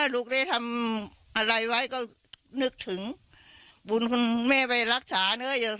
ลูกได้ทำอะไรไว้ก็นึกถึงบุญคุณแม่ไปรักษาเนอะ